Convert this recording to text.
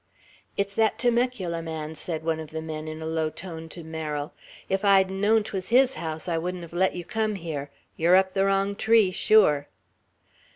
"It's that Temecula man," said one of the men, in a low tone, to Merrill. "If I'd known 't was his house, I wouldn't have let you come here. You're up the wrong tree, sure!"